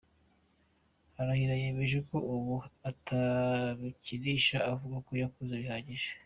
Arahira yemeje ko ubu atabikinisha avuga ko yakuze bihagije.